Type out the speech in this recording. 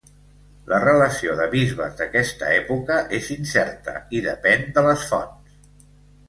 La relació de bisbes d'aquesta època és incerta i depèn de les fonts.